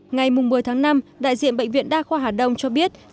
ngày một mươi tháng năm đại diện bệnh viện đa khoa hà đông cho biết